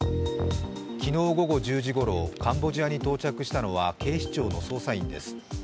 昨日午後１０時ごろ、カンボジアに到着したのは警視庁の捜査員です。